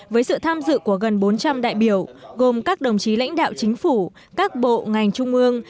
với sự tham dự của gần bốn trăm linh đại biểu gồm các đồng chí lãnh đạo chính phủ các bộ ngành trung ương